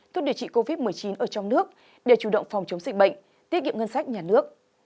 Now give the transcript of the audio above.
thuốc điều trị covid một mươi chín ở trong nước để chủ động phòng chống dịch bệnh tiết kiệm ngân sách nhà nước